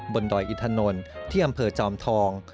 บนดอยอิทธานนทร์ที่อำเภาจอมทอง